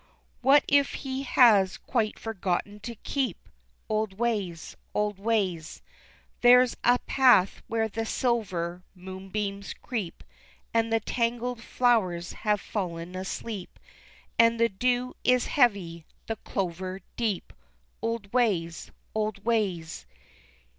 What if he has quite forgotten to keep Old ways old ways There's a path where the silver moonbeams creep, And the tangled flowers have fallen asleep, And the dew is heavy the clover deep Old ways old ways!